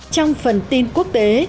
trong phần tin quốc tế